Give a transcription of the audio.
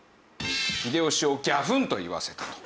秀吉をギャフンと言わせたと。